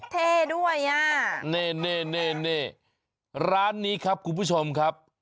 เท่ด้วยอ่ะนี่ร้านนี้ครับคุณผู้ชมครับ